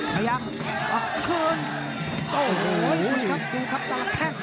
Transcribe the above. พยายามออกขึ้นโอ้โหถูกครับตลาดแข้ง